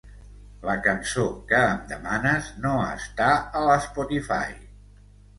La cançó que em demanes no està a l'Spotify.